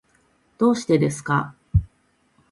どうしてですか。